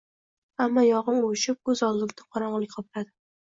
hamma yogʻim uvushib, koʻz oldimni qorongʻilik qopladi.